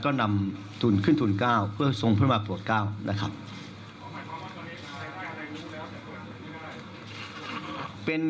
คุณหมอชนหน้าเนี่ยคุณหมอชนหน้าเนี่ยคุณหมอชนหน้าเนี่ย